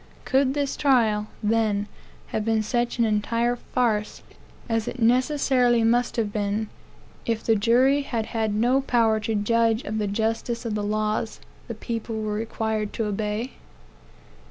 Could this trial, then, have been such an entire farce as it necessarily must have been, if the jury had had no power to judge of the justice of the laws the people were required to obey?